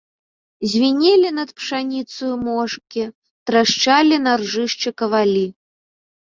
Звінелі над пшаніцаю мошкі, трашчалі на ржышчы кавалі.